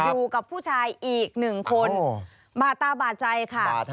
อยู่กับผู้ชายอีกหนึ่งคนบาดตาบาดใจค่ะ